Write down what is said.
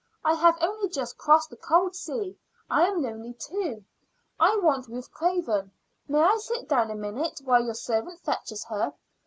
I have only just crossed the cold sea. I am lonely, too. I want Ruth Craven. May I sit down a minute while your servant fetches her?